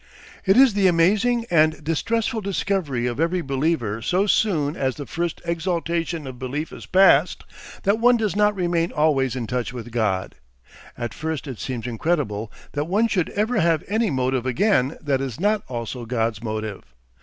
It is the amazing and distressful discovery of every believer so soon as the first exaltation of belief is past, that one does not remain always in touch with God. At first it seems incredible that one should ever have any motive again that is not also God's motive.